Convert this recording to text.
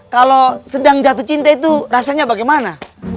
kalau sedang jatuh cinta itu rasanya bagaimana